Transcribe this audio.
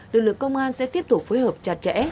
lực lượng công an sẽ tiếp tục phối hợp chặt chẽ